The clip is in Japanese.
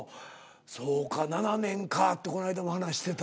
そうか７年かってこないだも話してた。